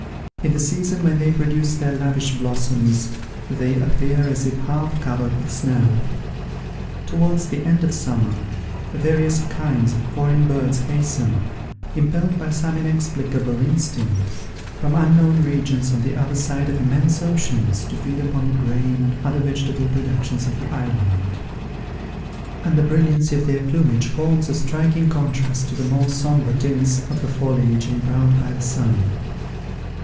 In the season when they produce their lavish blossoms, they appear as if half covered with snow. Towards the end of summer, various kinds of foreign birds hasten, impelled by some inexplicable instinct, from unknown regions on the other side of immense oceans, to feed upon the grain and other vegetable productions of the island; and the brilliancy of their plumage forms a striking contrast to the more sombre tints of the foliage embrowned by the sun.